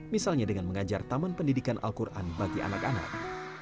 misalnya dengan mengajar taman pendidikan al quran bagi anak anak